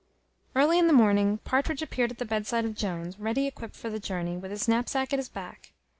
Early in the morning Partridge appeared at the bedside of Jones, ready equipped for the journey, with his knapsack at his back.